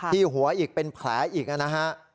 ที่หัวอีกเป็นแผลอีกนะฮะ